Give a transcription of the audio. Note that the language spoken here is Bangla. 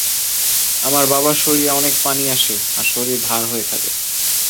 আমার বাবার শরীরে অনেক পানি আসে আর শরীর ভাড় হয়ে থাকে।